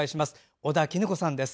尾田衣子さんです。